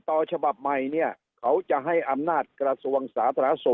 ต่อฉบับใหม่เนี้ยเขาจะให้อำนาทกระสวงสาธราศุ